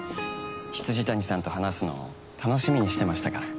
未谷さんと話すの楽しみにしてましたから。